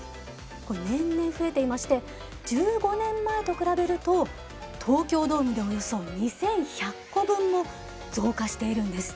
これ年々増えていまして１５年前と比べると東京ドームでおよそ２，１００個分も増加しているんです。